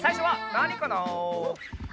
なにかな？